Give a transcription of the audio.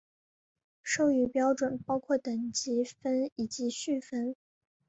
授予标准包括等级分以及序分。